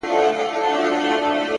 صبر د وخت احترام دی,